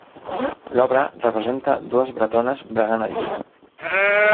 L'obra representa dues bretones bregant el lli.